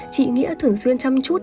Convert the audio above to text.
chị nghĩa thường xuyên chăm chút